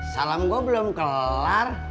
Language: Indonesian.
salam gue belum kelar